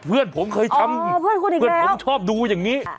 เพื่อนผมเคยทำเพื่อนผมชอบดูอย่างนี้